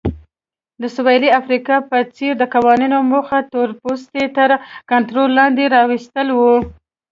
د سویلي افریقا په څېر د قوانینو موخه تورپوستي تر کنټرول لاندې راوستل وو.